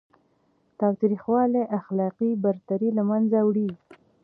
تاوتریخوالی اخلاقي برتري له منځه وړي.